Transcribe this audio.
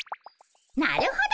なるほど。